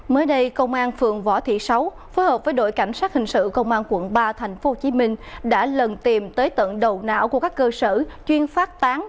mới đây công an phường võ thị sáu phối hợp với đội cảnh sát hình sự công an quận ba tp hcm đã lần tìm tới tận đầu não của các cơ sở chuyên phát tán